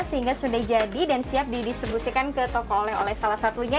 sehingga sudah jadi dan siap didistribusikan ke toko oleh oleh salah satunya